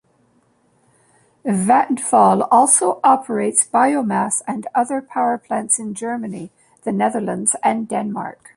Vattenfall also operates biomass and other power plants in Germany, the Netherlands and Denmark.